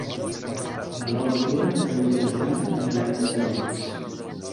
El nou d'octubre en Lluc i na Joana aniran a Estellencs.